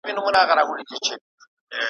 پټ به د رقیب له بدو سترګو سو تنها به سو ,